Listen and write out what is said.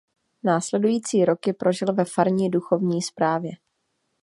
Následující roky prožil ve farní duchovní správě.